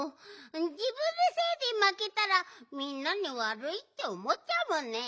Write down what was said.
じぶんのせいでまけたらみんなにわるいっておもっちゃうもんね。